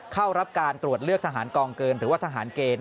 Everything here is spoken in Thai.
เข้ารับการตรวจเลือกทหารกองเกินหรือว่าทหารเกณฑ์